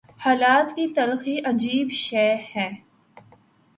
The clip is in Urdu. حالات کی تلخی عجیب شے ہے۔